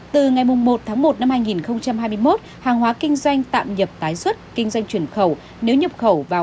từ ngày một tháng một năm hai nghìn hai mươi một hàng hóa kinh doanh tạm nhập tái xuất kinh doanh chuyển khẩu nếu nhập khẩu vào